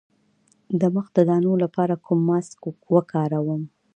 د مخ د دانو لپاره کوم ماسک وکاروم؟